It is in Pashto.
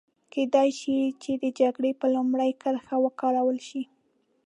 کېدای شي چې د جګړې په لومړۍ کرښه وکارول شي.